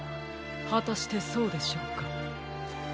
はたしてそうでしょうか？